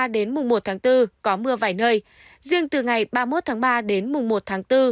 đến mùng một tháng bốn có mưa vài nơi riêng từ ngày ba mươi một tháng ba đến mùng một tháng bốn